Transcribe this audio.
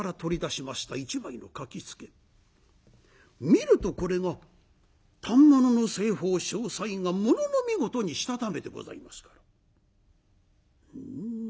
見るとこれが反物の製法詳細がものの見事にしたためてございますから。